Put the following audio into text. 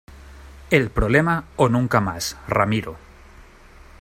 el problema o nunca mas, Ramiro.